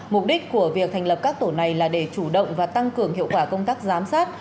mục đích của việc thành lập các tổ này là để chủ động và tăng cường hiệu quả công tác giám sát